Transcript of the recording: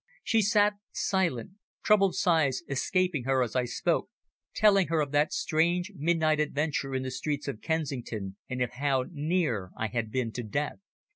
She sat silent, troubled sighs escaping her as I spoke, telling her of that strange, midnight adventure in the streets of Kensington, and of how near I had been to death.